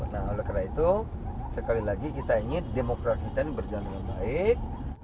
nah oleh karena itu sekali lagi kita ingin demokrasi kita ini berjalan dengan baik